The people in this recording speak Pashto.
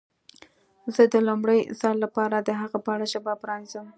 زه د لومړي ځل لپاره د هغه په اړه ژبه پرانیزم.